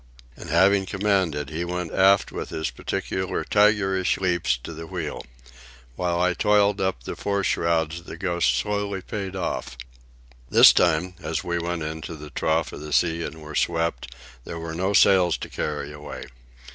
And having commanded, he went aft with his peculiar tigerish leaps to the wheel. While I toiled up the fore shrouds the Ghost slowly paid off. This time, as we went into the trough of the sea and were swept, there were no sails to carry away.